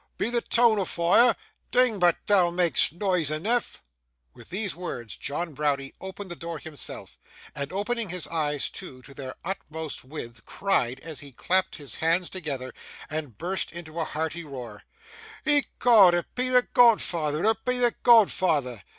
Be the toon a fire? Ding, but thou mak'st noise eneaf!' With these words, John Browdie opened the door himself, and opening his eyes too to their utmost width, cried, as he clapped his hands together, and burst into a hearty roar: 'Ecod, it be the godfeyther, it be the godfeyther!